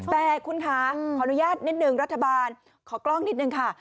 แต่คุณคะขออนุญาตนิดนึงรัฐบาลขอกล้องนิดนึงค่ะ